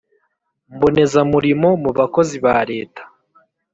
Mbonezamurimo Mu Bakozi Ba Leta